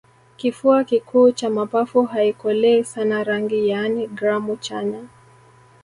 kifua kikuu cha mapafu haikolei sana rangi yaani gramu chanya